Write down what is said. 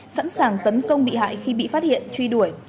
sẵn sàng tấn công bị hại khi bị phát hiện truy đuổi